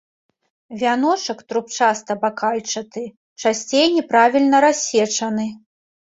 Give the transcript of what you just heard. Вяночак трубчаста-бакальчаты, часцей няправільна рассечаны.